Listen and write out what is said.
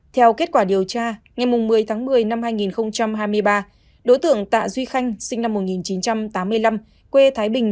theo kết quả điều tra ngày một mươi tháng một mươi năm hai nghìn hai mươi ba đối tượng tạ duy khanh sinh năm một nghìn chín trăm tám mươi năm quê thái bình